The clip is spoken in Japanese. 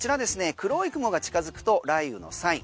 黒い雲が近づくと雷雨のサイン。